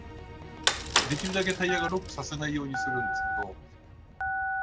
できるだけタイヤをロックさせないようにするんですけど。